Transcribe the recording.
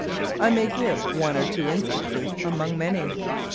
I may give one or two instances among many.